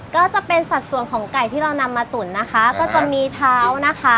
ก็จะเป็นสัดส่วนของไก่ที่เรานำมาตุ๋นนะคะก็จะมีเท้านะคะ